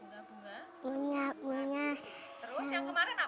howarmed cuman suruh nyanyi sekali